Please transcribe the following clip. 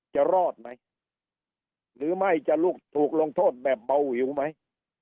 จะรอดไหมหรือไม่จะลูกถูกลงโทษแบบเบาวิวไหม